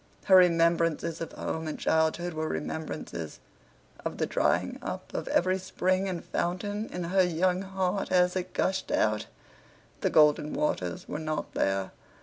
Her remembrances of home and childhood were remembrances of the drying up of every spring and fountain in her young heart as it gushed out. The golden waters were not there.